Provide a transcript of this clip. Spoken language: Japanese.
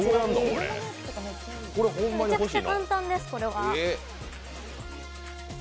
めちゃくちゃ簡単です、これは。